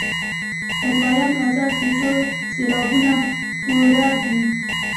په دوهم غزل کې ټول سېلابونه پوره دي.